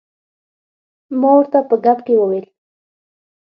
ما ورته په ګپ کې وویل.